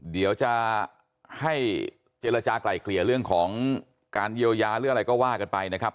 เดี๋ยวจะให้เจรจากลายเกลี่ยเรื่องของการเยียวยาหรืออะไรก็ว่ากันไปนะครับ